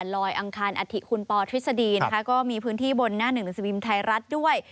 อังคารอัฐิคุณปอทฤษฎีนะคะก็มีพื้นที่บนหน้าหนึ่งหนังสือพิมพ์ไทยรัฐด้วย